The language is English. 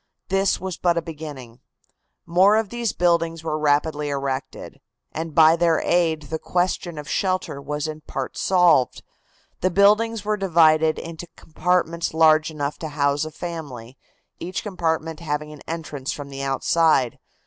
This was but a beginning. More of these buildings were rapidly erected, and by their aid the question of shelter was in part solved. The buildings were divided into compartments large enough to house a family, each compartment having an entrance from the outside.